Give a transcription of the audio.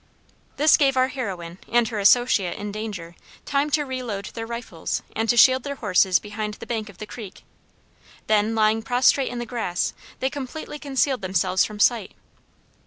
This gave our heroine and her associate in danger time to reload their rifles and to shield their horses behind the bank of the creek. Then, lying prostrate in the grass, they completely concealed themselves from sight.